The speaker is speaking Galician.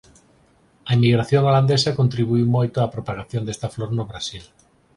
A inmigración holandesa contribuíu moito á propagación desta flor no Brasil.